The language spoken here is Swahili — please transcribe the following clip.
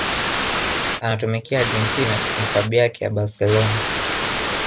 anatumikia Argentina na Klabu yake ya Barcelona